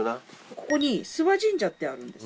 ここに諏訪神社ってあるんです。